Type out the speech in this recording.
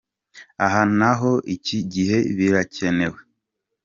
Aha na ho iki gihe birakenewe.